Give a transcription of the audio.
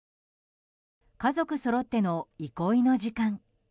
家族そろっての憩いの時間。